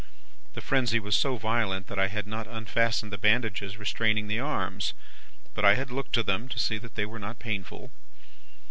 The frenzy was so violent, that I had not unfastened the bandages restraining the arms; but, I had looked to them, to see that they were not painful.